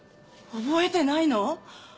覚えてないの？